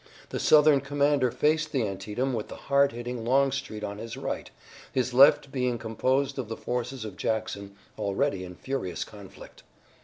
The Southern commander faced the Antietam with the hard hitting Longstreet on his right, his left being composed of the forces of Jackson, already in furious conflict.